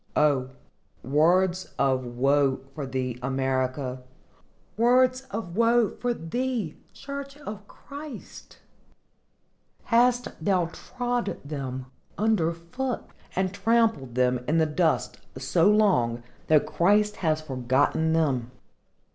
O, words of woe for thee, America!—words of woe for thee, church of Christ! Hast thou trod them under foot and trampled them in the dust so long that Christ has forgotten them?